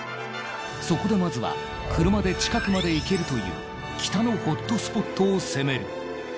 そこでまずは車で近くまで行けるという北のホットスポットを攻める。